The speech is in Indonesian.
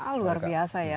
wah luar biasa ya